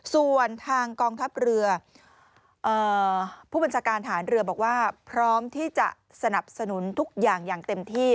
ส่วนทางกองทัพเรือผู้บัญชาการฐานเรือบอกว่าพร้อมที่จะสนับสนุนทุกอย่างอย่างเต็มที่